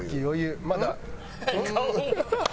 まだ。